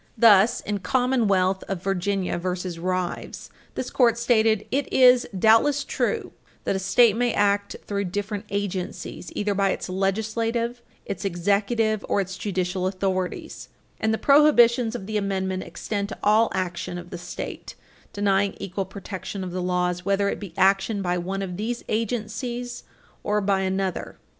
Thus, in Virginia v. Rives, 100 U. S. 313, 100 U. S. 318 (1880), this Court stated: "It is doubtless true that a State may act through different agencies, either by its legislative, its executive, or its judicial authorities, and the prohibitions of the amendment extend to all action of the State denying equal protection of the laws, whether it be action by one of these agencies or by another."